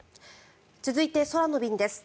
続いて、空の便です。